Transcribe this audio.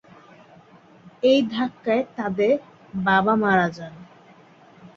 এই ধাক্কায় তাদের বাবা মারা যান।